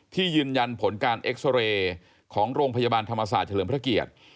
ยืนยันผลการเอ็กซาเรย์ของโรงพยาบาลธรรมศาสตร์เฉลิมพระเกียรติ